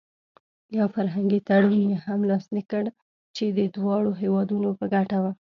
یو فرهنګي تړون یې هم لاسلیک کړ چې د دواړو هېوادونو په ګټه و.